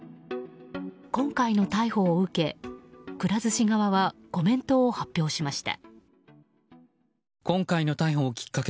今回の逮捕を受け、くら寿司側はコメントを発表しました。